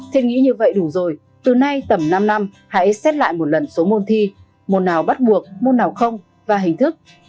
thiết nghĩ như vậy đủ rồi từ nay tầm năm năm hãy xét lại một lần số môn thi môn nào bắt buộc môn nào không và hình thức